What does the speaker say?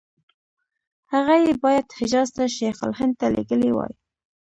هغه یې باید حجاز ته شیخ الهند ته لېږلي وای.